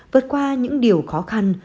vượt qua những điều khó khăn